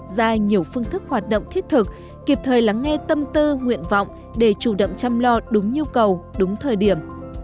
ra nhiều phương thức hoạt động thiết thực kịp thời lắng nghe tâm tư nguyện vọng để chủ động chăm lo đúng nhu cầu đúng thời điểm